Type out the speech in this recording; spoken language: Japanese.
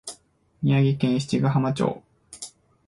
宮城県七ヶ浜町